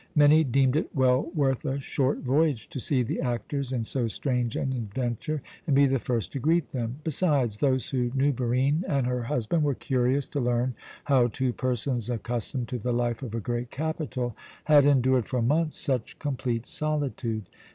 Many deemed it well worth a short voyage to see the actors in so strange an adventure and be the first to greet them. Besides, those who knew Barine and her husband were curious to learn how two persons accustomed to the life of a great capital had endured for months such complete solitude.